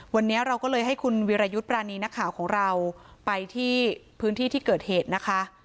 วันนี้เราก็เลยให้คุณวิรายุทธ์ปรานีนักข่าวของเราไปที่พื้นที่ที่เกิดเหตุนะคะ